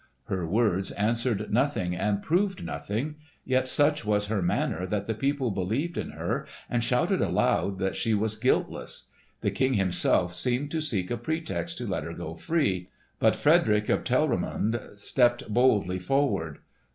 Her words answered nothing and proved nothing; yet such was her manner that the people believed in her and shouted aloud that she was guiltless. The King himself seemed to seek a pretext to let her go free; but Frederick of Telramund stepped boldly forward.